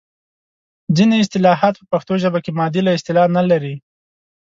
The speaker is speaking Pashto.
ځینې اصطلاحات په پښتو ژبه کې معادله اصطلاح نه لري.